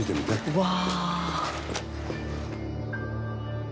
うわ。